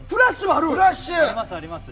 あります、あります。